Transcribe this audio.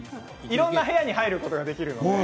いろいろな部屋に入ることができるので。